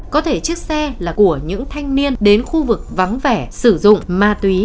có thể chiếc xe là của những thanh niên đến khu vực vắng vẻ sử dụng ma túy